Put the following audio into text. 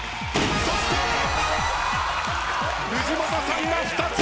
そして藤本さんが２つ！